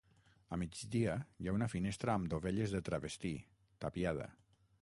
A migdia hi ha una finestra amb dovelles de travestí, tapiada.